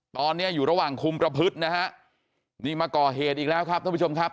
ตอนนี้อยู่ระหว่างคุมประพฤตินะฮะนี่มาก่อเหตุอีกแล้วครับท่านผู้ชมครับ